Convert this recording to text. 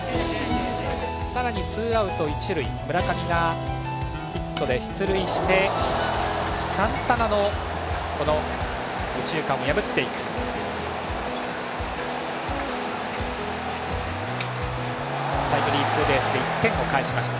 さらにツーアウト、一塁で村上がヒットで出塁してサンタナの右中間を破っていくタイムリーツーベースで１点を返しました。